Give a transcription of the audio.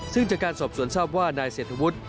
ซึ่งจากการสอบสวนทราบว่านายเศรษฐวุฒิ